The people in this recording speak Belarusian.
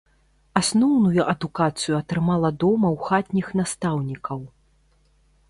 Асноўную адукацыю атрымала дома ў хатніх настаўнікаў.